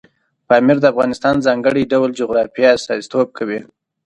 پامیر د افغانستان د ځانګړي ډول جغرافیه استازیتوب کوي.